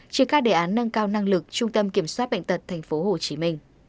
triển khai đề án nâng cao năng lực trung tâm kiểm soát bệnh tật tp hcm